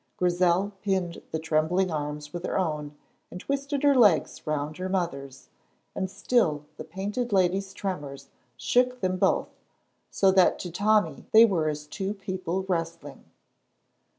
Grizel pinned the trembling arms with her own and twisted her legs round her mother's, and still the Painted Lady's tremors shook them both, so that to Tommy they were as two people wrestling.